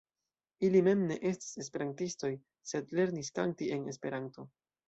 Ili mem ne estas Esperantistoj, sed lernis kanti en Esperanto.